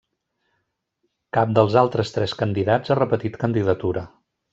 Cap dels altres tres candidats ha repetit candidatura.